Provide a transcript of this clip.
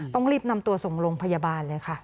ต้องรีบนำตัวส่งโรงพยาบาลเลยค่ะ